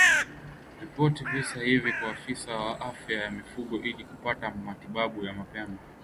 Ripoti visa hivi kwa afisa wa afya ya mifugo ili kupata matibabu ya mapema